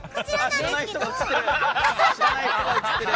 知らない人が映ってる！